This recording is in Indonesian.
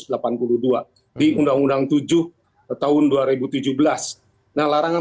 hai nah larangan yang jelas kemudian yang lebih jelas lagi dua ratus delapan puluh dua di undang undang tujuh tahun dua ribu tujuh belas nah larangan